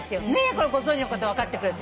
これご存じの方は分かってくれる。